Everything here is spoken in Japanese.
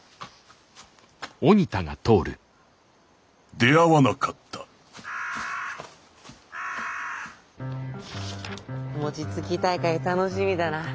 出会わなかったもちつき大会楽しみだな。